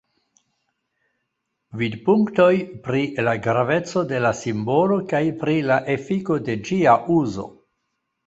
Vidpunktoj pri la graveco de la simbolo kaj pri la efiko de ĝia uzo.